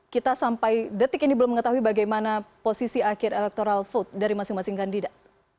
kita sampai detik ini belum mengetahui bagaimana posisi akhir electoral vote dari masing masing kandidat